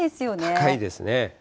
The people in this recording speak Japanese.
高いですね。